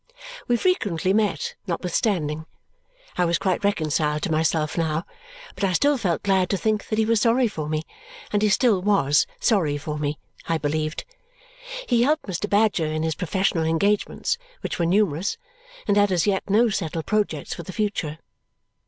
We frequently met, notwithstanding. I was quite reconciled to myself now, but I still felt glad to think that he was sorry for me, and he still WAS sorry for me I believed. He helped Mr. Badger in his professional engagements, which were numerous, and had as yet no settled projects for the future.